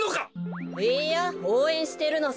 いいやおうえんしてるのさ。